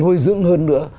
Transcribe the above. nói dưỡng hơn nữa